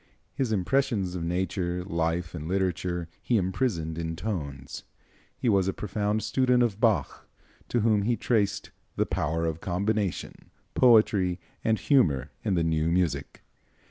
His impressions of nature, life and literature he imprisoned in tones. He was a profound student of Bach, to whom he traced "the power of combination, poetry and humor in the new music."